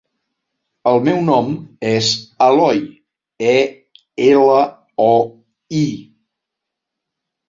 El meu nom és Eloi: e, ela, o, i.